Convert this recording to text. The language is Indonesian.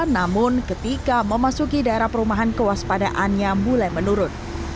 namun ketika memasuki daerah perumahan kewaspadaannya mulai menurun